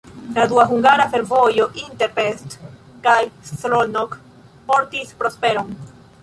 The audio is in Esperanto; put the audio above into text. La dua hungara fervojo inter Pest kaj Szolnok portis prosperon.